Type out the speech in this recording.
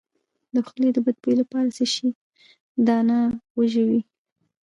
د خولې د بد بوی لپاره د څه شي دانه وژويئ؟